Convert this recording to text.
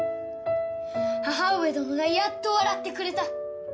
母上どのがやっと笑ってくれた。